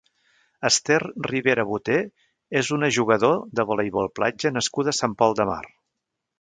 Ester Ribera Boter és una jugador de voleibol platja nascuda a Sant Pol de Mar.